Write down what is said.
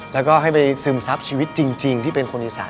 แล้วก็ให้ไปซึมซับชีวิตจริงที่เป็นคนอีสาน